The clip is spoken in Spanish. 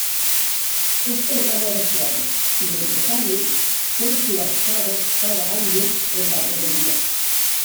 Este ramo de flores y el rosario son subastados cada año en la romería.